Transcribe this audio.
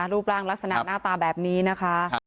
รูปร่างลักษณะหน้าตาแบบนี้นะคะ